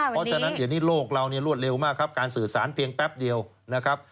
เพราะฉะนั้นเดี๋ยวนี้โลกเราเนี่ยรวดเร็วมากครับการสื่อสารเพียงแป๊บเดียวนะครับ